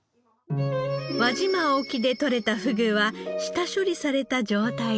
輪島沖で取れたふぐは下処理された状態で届きます。